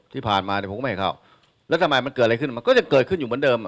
ที่ผ่านมาเนี่ยผมก็ไม่ให้เข้าแล้วทำไมมันเกิดอะไรขึ้นมันก็ยังเกิดขึ้นอยู่เหมือนเดิม